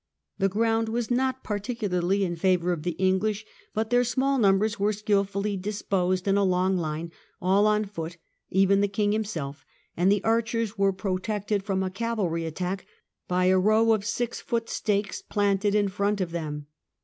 The ground was not particularly in favour of the English, but their small numbers were skillfully disposed in a long line, all on foot even the King himself, and the archers were protected from a cavalry attack by a row of six foot stakes planted in front of them.